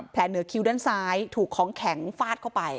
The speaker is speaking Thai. เหนือคิ้วด้านซ้ายถูกของแข็งฟาดเข้าไป